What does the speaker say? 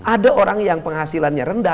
ada orang yang penghasilannya rendah